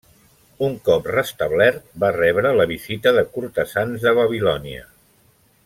Un cop restablert, va rebre la visita de cortesans de Babilònia.